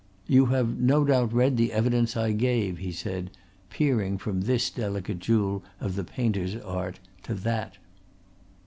"You have no doubt read the evidence I gave," he said, peering from this delicate jewel of the painter's art to that.